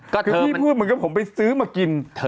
คือพี่พูดเหมือนกับผมไปซื้อมากิน